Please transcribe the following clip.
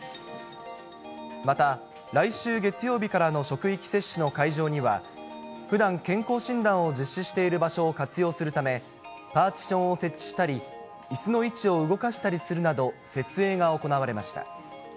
また、来週月曜日からの職域接種の会場には、ふだん、健康診断を実施している場所を活用するため、パーティションを設置したり、いすの位置を動かしたりするなど、設営が行われました。